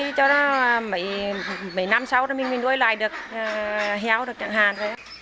thì cho nó mấy năm sau mình nuôi lại được héo được chẳng hạn